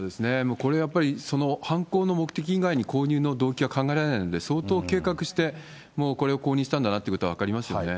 これやっぱり、その犯行の目的以外に購入の動機は考えられないので、相当計画して、もうこれを購入したんだなということが分かりますよね。